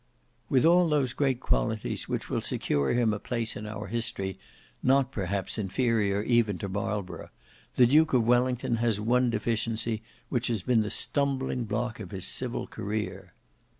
With all those great qualities which will secure him a place in our history not perhaps inferior even to Marlborough, the Duke of Wellington has one deficiency which has been the stumbling block of his civil career.